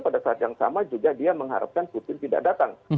pada saat yang sama juga dia mengharapkan putin tidak datang